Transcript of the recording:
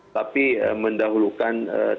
tapi ee mendahulukan ee